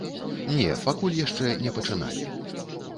Не, пакуль яшчэ не пачыналі.